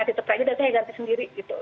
ganti sepre aja datanya yang ganti sendiri gitu